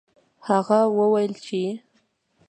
هغه وویل چې